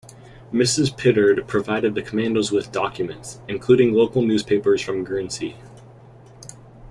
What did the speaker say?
Mrs Pittard provided the commandos with documents, including local newspapers from Guernsey.